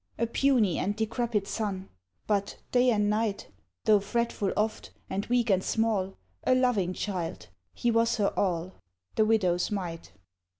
A puny and decrepit son; But, day and night, Though fretful oft, and weak and small, A loving child, he was her all The Widow's Mite.